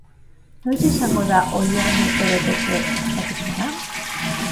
Noiz izango da Oierren urtebetetze ospakizuna?